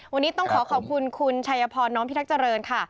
วันนี้ต้องขอขอบคุณคุณชัยพรน้อมพิทักษ์เจริญค่ะ